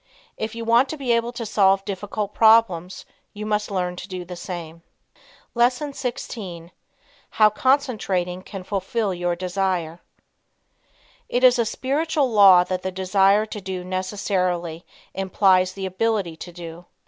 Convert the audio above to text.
If you want to be able to solve difficult problems you must learn to do the same. LESSON XVI. HOW CONCENTRATION CAN FULFILL YOUR DESIRE "It is a spiritual law that the desire to do necessarily implies the ability to do."